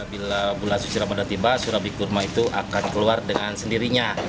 bila bulan suci ramadan tiba surabi kurma itu akan keluar dengan sendirinya